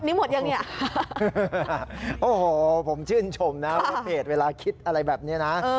นี่หมดยังเนี่ยโอ้โหผมชื่นชมนะว่าเพจเวลาคิดอะไรแบบนี้นะ